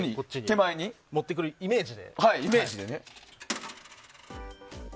手前に持ってくるイメージで。